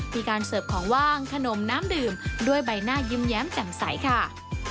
การเสิร์ฟของว่างขนมน้ำดื่มด้วยใบหน้ายิ้มแย้มแจ่มใสค่ะ